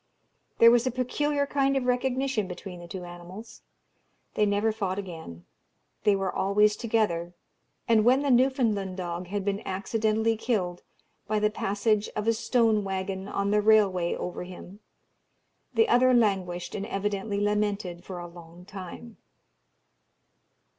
There was a peculiar kind of recognition between the two animals; they never fought again; they were always together: and when the Newfoundland dog had been accidentally killed by the passage of a stone waggon on the railway over him, the other languished and evidently lamented for a long time.